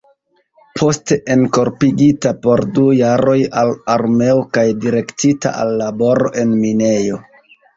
Poste enkorpigita por du jaroj al armeo kaj direktita al laboro en minejo.